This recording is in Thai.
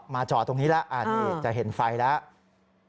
มาเจาะตรงนี้แล้วจะเห็นไฟแล้ว